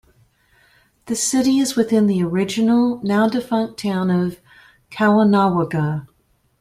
The city is within the original, now defunct town of Caughnawaga.